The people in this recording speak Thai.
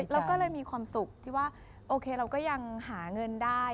เราก็เลยมีความสุขที่ว่าโอเคเราก็ยังหาเงินได้